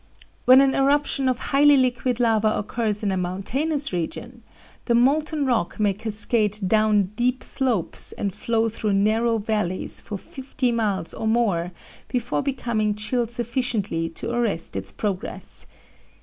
When an eruption of highly liquid lava occurs in a mountainous region, the molten rock may cascade down deep slopes and flow through narrow valleys for fifty miles or more before becoming chilled sufficiently to arrest its progress.